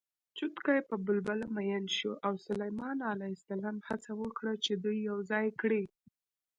چتکي په بلبله مین شو او سلیمان ع هڅه وکړه چې دوی یوځای کړي